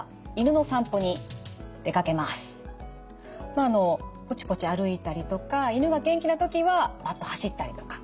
まああのぽちぽち歩いたりとか犬が元気な時はバッと走ったりとか。